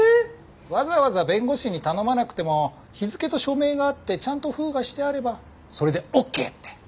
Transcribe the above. わざわざ弁護士に頼まなくても日付と署名があってちゃんと封がしてあればそれでオッケーって。